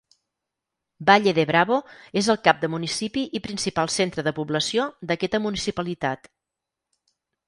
Valle de Bravo és el cap de municipi i principal centre de població d'aquesta municipalitat.